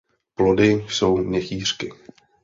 Plody jsou měchýřky.